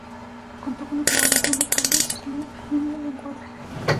Contó con la colaboración de Carlos Schlieper en el encuadre.